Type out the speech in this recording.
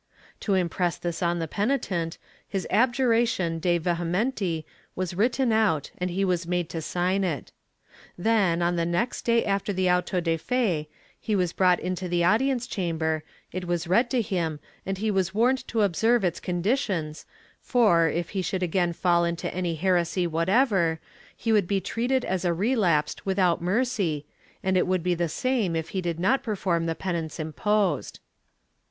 To impress this on the penitent, his abjuration de vehementi was written out and he was made to sign it. Then, on the next day after the auto de fe, he was brought into the audience chamber, it was read to him and he was warned to observe its conditions for, if he should again fall into any heresy whatever, he would be treated as a relapsed without mercy, and it would be the same if he did not perform the penance imposed.